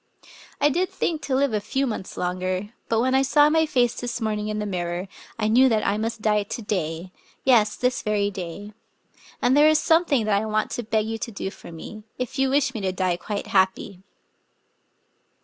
I did think to live a few months longer; but when I saw my fiice this morning in the mirror, I knew that I must die to day, — yes, this* very day. And there is something that I want to beg you to do for me — if you wish me to die quite happy."